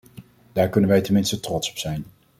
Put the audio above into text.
Daar kunnen wij tenminste trots op zijn.